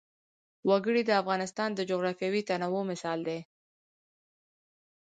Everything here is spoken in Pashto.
وګړي د افغانستان د جغرافیوي تنوع مثال دی.